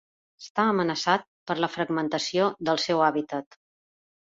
Està amenaçat per la fragmentació del seu hàbitat.